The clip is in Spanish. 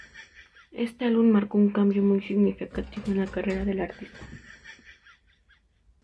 Este álbum marcó un cambio muy significativo en la carrera del artista.